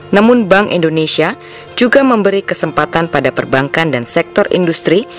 namun bank indonesia juga memberi kesempatan pada perbankan dan sektor industri